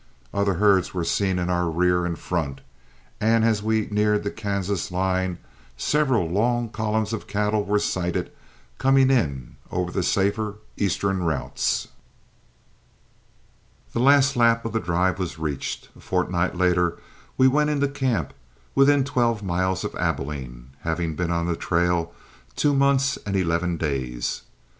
Other herds were seen in our rear and front, and as we neared the Kansas line several long columns of cattle were sighted coming in over the safer eastern routes. The last lap of the drive was reached. A fortnight later we went into camp within twelve miles of Abilene, having been on the trail two months and eleven days.